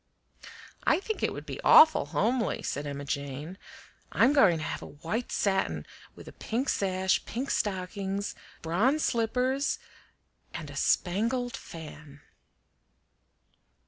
"I think it would be awful homely," said Emma Jane. "I'm going to have a white satin with a pink sash, pink stockings, bronze slippers, and a spangled fan."